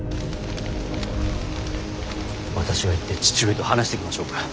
私が行って父上と話してきましょうか。